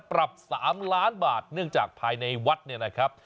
ปรับ๓ล้านบาทเนื่องจากภายในวัดเนี่ยนะครับ